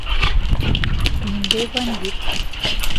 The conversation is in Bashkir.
Ниндәй бандит?